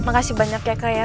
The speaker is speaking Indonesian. makasih banyak ya kak ya